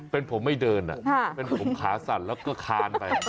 เป็นผมไม่เดินเป็นผมขาสั่นแล้วก็คานไป